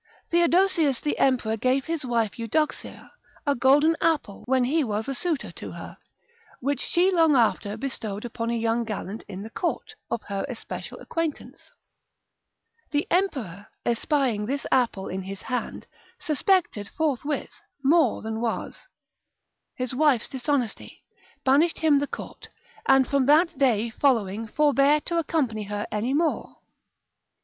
Theodosius the emperor gave his wife Eudoxia a golden apple when he was a suitor to her, which she long after bestowed upon a young gallant in the court, of her especial acquaintance. The emperor, espying this apple in his hand, suspected forthwith, more than was, his wife's dishonesty, banished him the court, and from that day following forbare to accompany her any more.